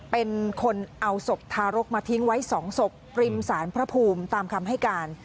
เป็นคนเอาศพทารกมาทิ้งไว้๒ศพริมสารพระภูมิตามคำให้การ